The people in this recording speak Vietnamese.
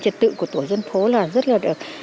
trật tự của tổ dân phố là rất là